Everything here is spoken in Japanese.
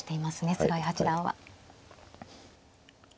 菅井八段は。